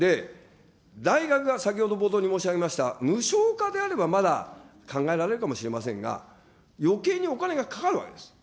大学が先ほど冒頭に申し上げました、無償化であれば、まだ考えられるかもしれませんが、よけいにお金がかかるわけです。